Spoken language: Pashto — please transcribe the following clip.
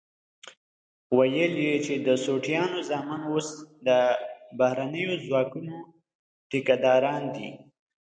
ويل يې چې د سوټيانو زامن اوس د بهرنيو ځواکونو ټيکه داران دي.